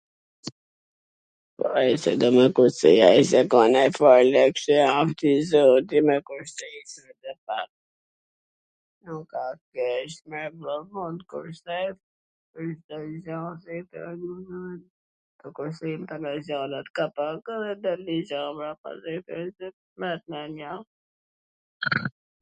Ai si don me kursy, ai si ka nanj far lek e asht i zoti me kursy se ... nuk a keq me mund t kursesh ...